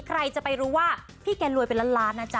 ใครจะไปรู้ว่าพี่แกรวยเป็นล้านล้านนะจ๊